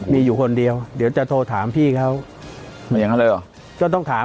มีอยู่คนเดียวเดี๋ยวจะโทรถามพี่เค้า